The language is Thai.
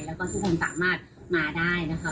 แล้วก็ทุกคนสามารถมาได้นะคะ